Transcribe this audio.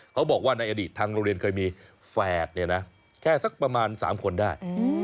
เขาบอกว่าในอดีตทางโรงเรียนเคยมีแฝดเนี่ยนะแค่สักประมาณ๓คนได้